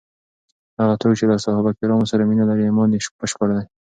هغه څوک چې له صحابه کرامو سره مینه لري، ایمان یې بشپړ دی.